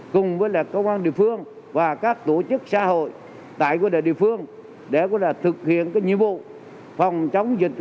cùng với các cơ quan địa phương và các tổ chức xã hội tại địa phương để thực hiện nhiệm vụ phòng chống dịch